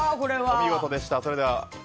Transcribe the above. お見事でした。